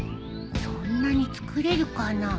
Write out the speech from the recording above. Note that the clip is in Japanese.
そんなにつくれるかな？